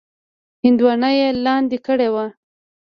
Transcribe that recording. هیوادونه یې لاندې کړي وو.